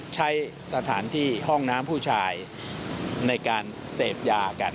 ใช้สถานที่ห้องน้ำผู้ชายในการเสพยากัน